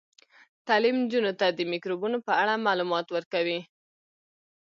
تعلیم نجونو ته د میکروبونو په اړه معلومات ورکوي.